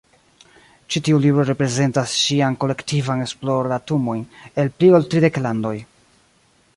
Ĉi tiu libro reprezentas ŝian kolektivan esplordatumojn el pli ol tridek landoj.